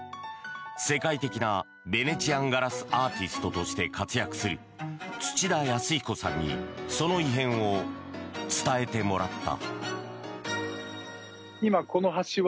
世界的なベネチアンガラスアーティストとして活躍する土田康彦さんにその異変を伝えてもらった。